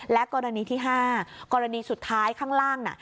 และกรณีที่๕กรณีสุดท้ายข้างล่างน่ะ